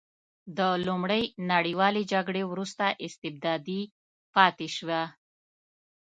د لومړۍ نړیوالې جګړې وروسته استبدادي پاتې شوه.